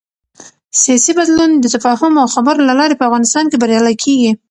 سیاسي بدلون د تفاهم او خبرو له لارې په افغانستان کې بریالی کېږي